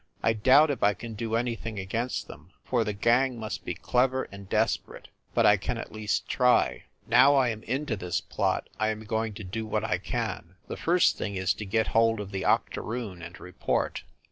I doubt if I can do anything against them, for the gang must be clever and des perate. But I can at least try. Now I am into this plot, I am going to do what I can. The first thing is to get hold of the octoroon and report."